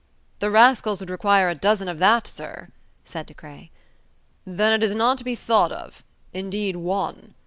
"The rascals would require a dozen of that, sir," said De Craye. "Then it is not to be thought of. Indeed one!"